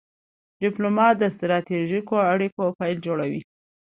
ډيپلومات د ستراتیژیکو اړیکو پل جوړوي.